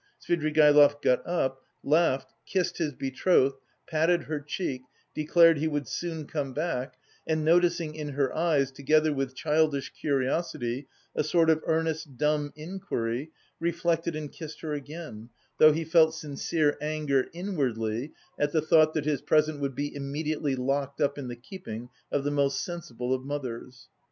Svidrigaïlov got up, laughed, kissed his betrothed, patted her cheek, declared he would soon come back, and noticing in her eyes, together with childish curiosity, a sort of earnest dumb inquiry, reflected and kissed her again, though he felt sincere anger inwardly at the thought that his present would be immediately locked up in the keeping of the most sensible of mothers.